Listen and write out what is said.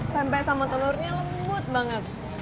tempe sama telurnya lembut banget